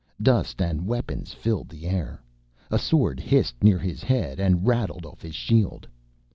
Dust and weapons filled the air. A sword hissed near his head and rattled off his shield.